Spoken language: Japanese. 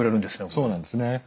そうなんですね。